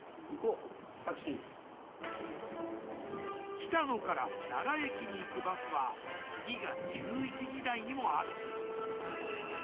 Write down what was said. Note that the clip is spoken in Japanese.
北野から奈良駅に行くバスは次が１１時台にもある。